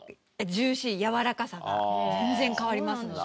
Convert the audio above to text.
ジューシーやわらかさが全然変わりますので。